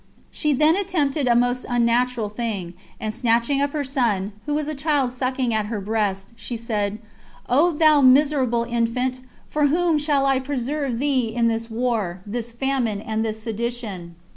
She then attempted a most unnatural thing; and snatching up her son, who was a child sucking at her breast, she said, "O thou miserable infant! for whom shall I preserve thee in this war, this famine, and this sedition?